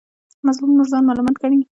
مظلوم نور ځان ملامت ګڼي.